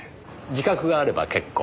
自覚があれば結構。